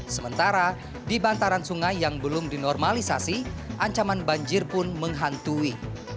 sementara di bantaran sungai yang belum dinormalisasi ancaman banjir pun menghantui